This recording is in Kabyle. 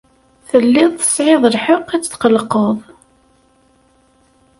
Telliḍ tesɛiḍ lḥeqq ad tetqellqeḍ.